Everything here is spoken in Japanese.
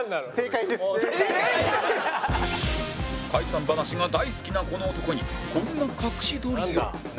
解散話が大好きなこの男にこんな隠し撮りを